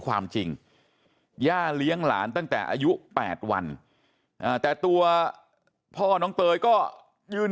ความจริงย่าเลี้ยงหลานตั้งแต่อายุ๘วันแต่ตัวพ่อน้องเตยก็ยืน